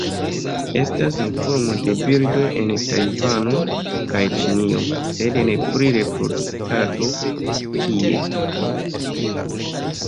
Estas informo de birdoj en Tajvano kaj Ĉinio, sed ne pri reproduktado tie.